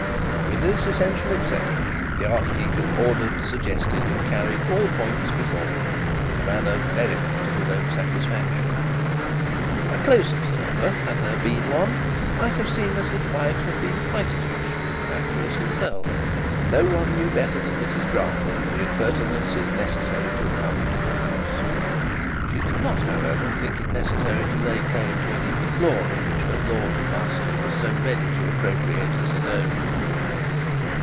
With this essential exception, the archdeacon ordered, suggested, and carried all points before him in a manner very much to his own satisfaction. A close observer, had there been one there, might have seen that his wife had been quite as useful in the matter as himself. No one knew better than Mrs Grantly the appurtenances necessary to a comfortable house. She did not, however, think it necessary to lay claim to any of the glory which her lord and master was so ready to appropriate as his own.